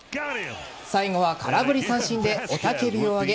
最後は空振り三振で雄叫びを上げ